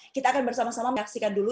kita akan bersama sama menyaksikan dulu